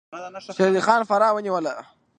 شیر علي خان فراه ونیوله.